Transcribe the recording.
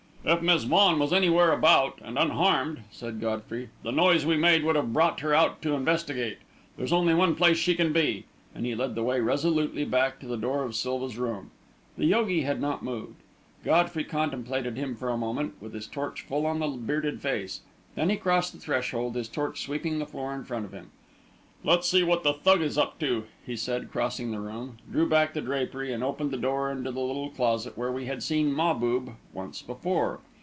"If Miss Vaughan was anywhere about, and unharmed," said Godfrey, "the noise we made would have brought her out to investigate. There's only one place she can be," and he led the way resolutely back to the door of Silva's room. The yogi had not moved. Godfrey contemplated him for a moment, with his torch full on the bearded face. Then he crossed the threshold, his torch sweeping the floor in front of him. "Let's see what the Thug is up to," he said, crossed the room, drew back the drapery, and opened the door into the little closet where we had seen Mahbub once before.